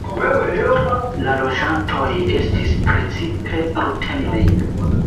La loĝantoj estis precipe rutenoj.